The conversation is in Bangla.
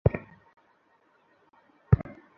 তুমি যাও, নীরবে।